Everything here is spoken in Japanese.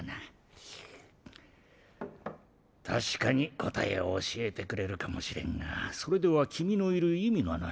たしかにこたえをおしえてくれるかもしれんがそれではキミのいるいみがない。